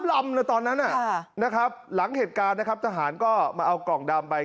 ลำเลยตอนนั้นนะครับหลังเหตุการณ์นะครับทหารก็มาเอากล่องดำไป